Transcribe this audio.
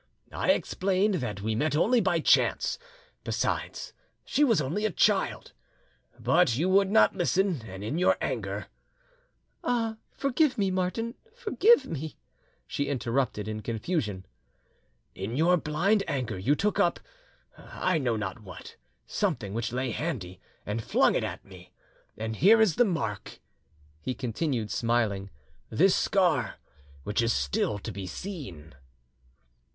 I explained that we met only by chance,—besides, she was only a child,—but you would not listen, and in your anger—" "Ah! forgive me, Martin, forgive me!" she interrupted, in confusion. "In your blind anger you took up, I know not what, something which lay handy, and flung it at me. And here is the mark," he continued, smiling, "this scar, which is still to be seen."